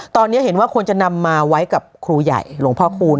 ตอนนี้เห็นว่าควรจะนำมาไว้กับครูใหญ่หลวงพ่อคูณ